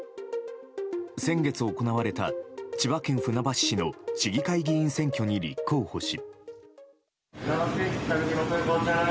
先月行われた千葉県船橋市の市議会議員選挙に立候補し。